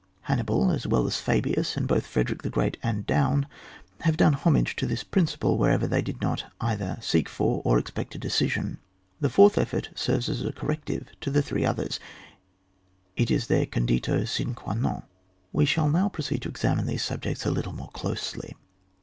Hannibal as well as Fabius, and both Frederick the Great and Daun, have done homage to this principle whenever they did not either seek for or expect a de cision. The fourth effort serves as a corrective to the three others, it is their conditio sine qud non. We shall now proceed to examine these subjects a little more closely.